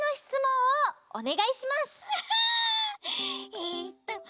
えっと